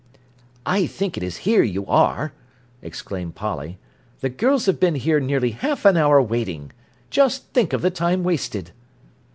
"I think it is 'here you are'!" exclaimed Polly. "The girls have been here nearly half an hour waiting. Just think of the time wasted!"